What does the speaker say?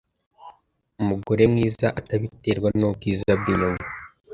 umugore mwiza atabiterwa n’ubwiza bw’inyuma